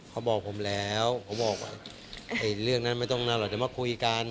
เขาบอกผมแล้วเขาบอกว่าเรื่องนั้นไม่ต้องนานหรอกจะมาคุยกัน